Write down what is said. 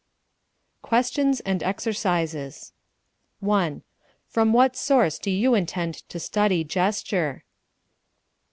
QUESTIONS AND EXERCISES 1. From what source do you intend to study gesture?